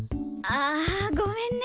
あごめんね。